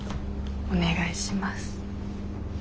お願いします。